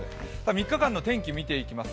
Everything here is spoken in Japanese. ３日間の天気を見ていきます。